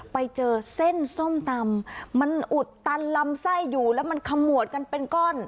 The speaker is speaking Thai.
ไปเจอเส้นส้มตำมันอุดตันลำไส้อยู่แล้วมันขมวดกันเป็นก้อน